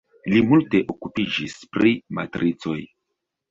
Li multe okupiĝis pri matricoj.